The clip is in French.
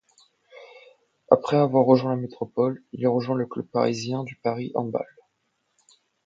Après avoir rejoint la métropole, il rejoint le club parisien du Paris Handball.